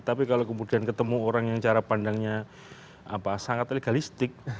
tapi kalau kemudian ketemu orang yang cara pandangnya sangat legalistik